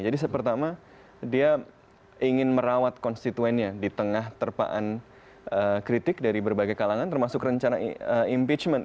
jadi pertama dia ingin merawat konstituennya di tengah terpaan kritik dari berbagai kalangan termasuk rencana impeachment